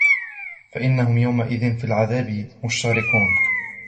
فإنهم يومئذ في العذاب مشتركون